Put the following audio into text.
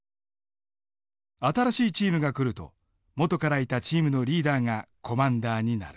新しいチームが来ると元からいたチームのリーダーがコマンダーになる。